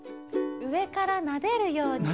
うえからなでるように。